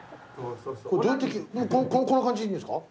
これどうやって着るこんな感じでいいんですか？